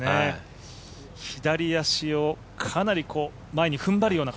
左足をかなり前にふんばるような形。